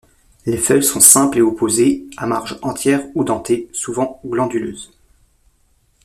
Les feuilles sont simples et opposées, à marge entière ou dentée, souvent glanduleuses.